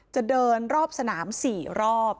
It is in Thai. จะเดินรอบสนาม๔รอบ